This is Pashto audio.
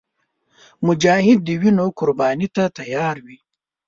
مجاهد د وینو قرباني ته تیار وي.